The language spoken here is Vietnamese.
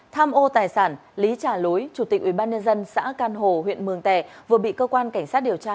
tham ô tài sản lý trả lối chủ tịch ubnd xã can hồ huyện mường tè vừa bị cơ quan cảnh sát điều tra